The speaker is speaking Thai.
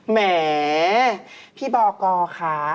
แหมพี่บอกค่ะ